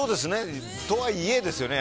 とはいえですよね。